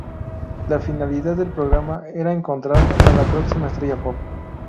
La finalidad del programa era encontrar a la próxima estrella pop.